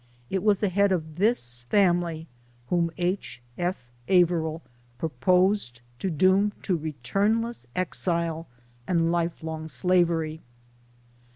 It was the head of this family whom H. F. Averill proposed to doom to returnless exile and life long slavery.